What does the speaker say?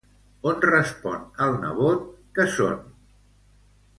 On respon el nebot que són?